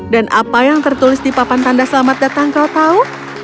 dan apa yang tertulis di papan tanda selamat datang kau tahu